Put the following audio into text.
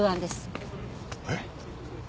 えっ？